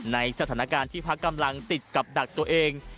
ในสถานการณ์ที่พักกำลังติดกับดักตัวเอง